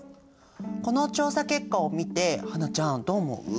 この調査結果を見て英ちゃんどう思う？